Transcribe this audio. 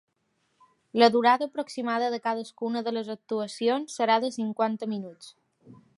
La durada aproximada de cadascuna de les actuacions serà de cinquanta minuts.